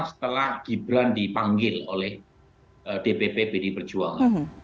setelah gibran dipanggil oleh dpp pdi perjuangan